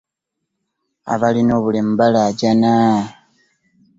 Abalina obulemu balaajana.